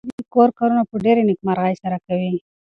ګلالۍ د کور کارونه په ډېرې نېکمرغۍ سره کوي.